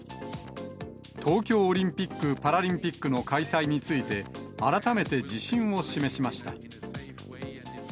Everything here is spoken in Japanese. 東京オリンピック・パラリンピックの開催について、改めて自信を示しました。